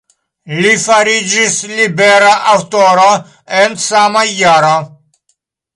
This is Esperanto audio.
Li fariĝis libera aŭtoro en sama jaro.